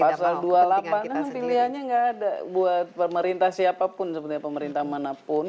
pasal dua puluh delapan pilihannya nggak ada buat pemerintah siapapun sebenarnya pemerintah manapun